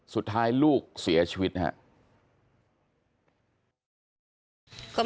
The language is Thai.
สุดท้ายลูกเสียชีวิตนะครับ